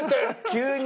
急に？